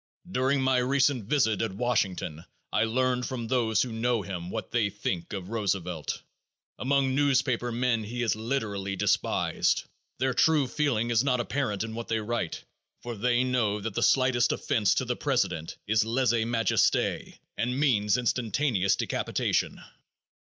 During my recent visit at Washington I learned from those who know him what they think of Roosevelt. Among newspaper men he is literally despised. Their true feeling is not apparent in what they write, for they know that the slightest offense to the president is lese majeste and means instantaneous decapitation.